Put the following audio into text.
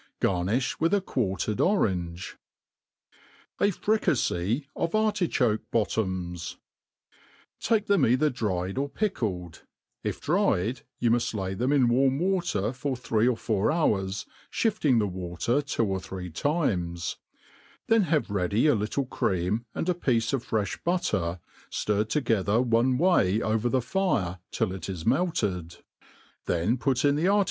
Garnifh with quartered orange.^ A Fricajty of Artkhoks Bottoms. TAKE them either dried or pickled j if dried, you muft lay them in w::rm v;atcr fofr three or four hours, (hiftin2 the water two or three times ; then have ready a little cream, and a piece of ficili butter^ itirred togeth^er oue way over the fire till it is 8 melted > MADE PLAIN AND gASY.